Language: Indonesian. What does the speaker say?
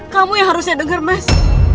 kamu yang harusnya dengar mas